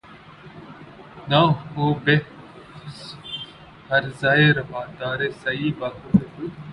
نہ ہو بہ ہرزہ روادارِ سعیء بے ہودہ